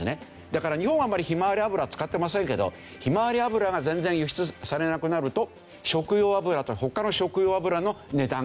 だから日本はあんまりひまわり油使ってませんけどひまわり油が全然輸出されなくなると食用油他の食用油の値段が跳ね上がると。